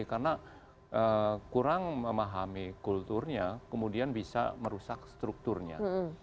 karena kurang memahami kulturnya kemudian bisa merusak strukturnya